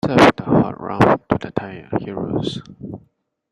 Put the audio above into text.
Serve the hot rum to the tired heroes.